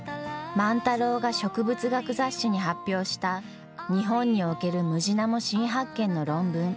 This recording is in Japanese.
万太郎が植物学雑誌に発表した日本におけるムジナモ新発見の論文。